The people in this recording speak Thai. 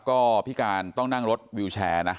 ก็พิการต้องนั่งรถวิวแชร์นะ